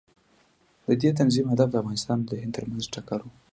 د دې تنظیم هدف د افغانستان او هند ترمنځ ټکر و.